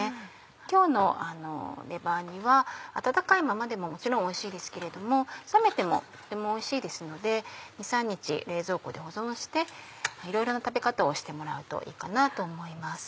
今日のレバー煮は温かいままでももちろんおいしいですけれども冷めてもとてもおいしいですので２３日冷蔵庫で保存していろいろな食べ方をしてもらうといいかなと思います。